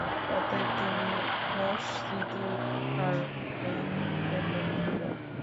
অতএব, তুমি মসজিদুল হারমের দিকে মুখ ফিরাও।